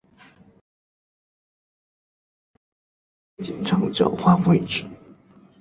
两名裁判在比赛期间会经常交换位置。